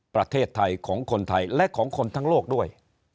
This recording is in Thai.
ประเทศไทยของคนไทยและของคนทั้งโลกด้วย